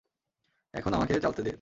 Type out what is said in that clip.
এখন আমাকে চালতে দে।